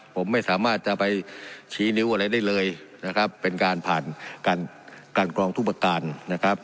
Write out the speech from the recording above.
ผมไม่สามารถจะไปชี้นิ้วอะไรได้เลยนะครับเป็นการผ่านการกรองทุกประการนะครับ